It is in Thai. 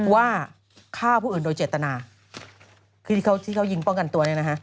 ว่าฆ่าผู้อื่นโดยเจตนาคือที่เขาที่เขายิงป้องกันตัวเนี่ยนะฮะ